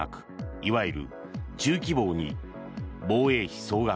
いわゆる中期防に防衛費総額